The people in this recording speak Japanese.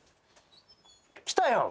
来たやん